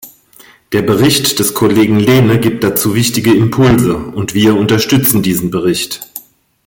Der Bericht des Kollegen Lehne gibt dazu wichtige Impulse, und wir unterstützen diesen Bericht.